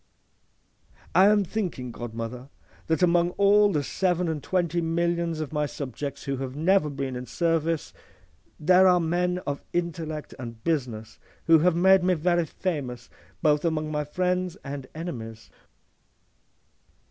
'—'I am thinking, godmother,' says he, 'that among all the seven and twenty millions of my subjects who have never been in service, there are men of intellect and business who have made me very famous both among my friends and enemies.